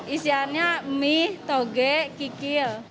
isiannya mie tauge tikil